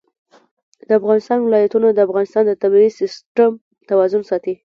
د افغانستان ولايتونه د افغانستان د طبعي سیسټم توازن ساتي.